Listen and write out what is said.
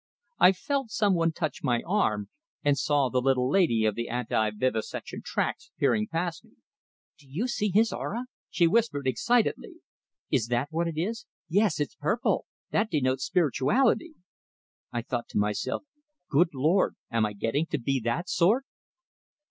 I felt some one touch my arm, and saw the little lady of the anti vivisection tracts peering past me. "Do you see his aura?" she whispered, excitedly. "Is that what it is?" "Yes. It's purple. That denotes spirituality." I thought to myself, "Good Lord, am I getting to be that sort?"